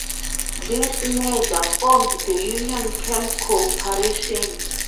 This merger formed the Union Camp Corporation.